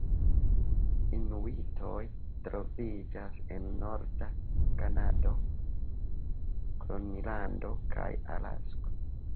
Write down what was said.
Inuitoj troviĝas en norda Kanado, Gronlando kaj Alasko.